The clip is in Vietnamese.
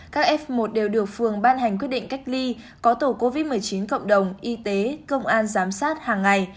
các f một đều được phường ban hành quyết định cách ly có tổ covid một mươi chín cộng đồng y tế công an giám sát hàng ngày